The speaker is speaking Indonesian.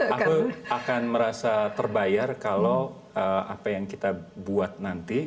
aku akan merasa terbayar kalau apa yang kita buat nanti